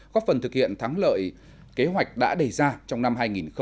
góp phần thực hiện thắng lợi kế hoạch đã đề ra trong năm hai nghìn hai mươi